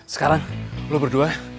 sekarang lo berdua